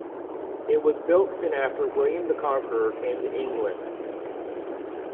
It was built soon after William the Conqueror came to England.